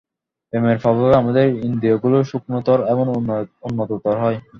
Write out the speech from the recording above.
প্রেমের প্রভাবে আমাদের ইন্দ্রিয়গুলি সূক্ষ্মতর এবং উন্নততর হয়।